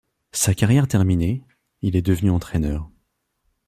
Sa carrière terminée, il est devenu entraîneur.